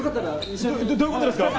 どういうことですか？